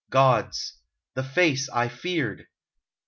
. Gods ! the face I feared